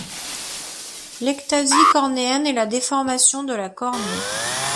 L'ectasie cornéenne est la déformation de la cornée.